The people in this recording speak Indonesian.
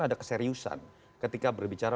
ada keseriusan ketika berbicara